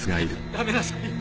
やめなさい！